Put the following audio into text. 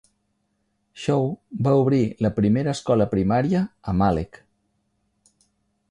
Shaw va obrir la primera escola primària a Malek.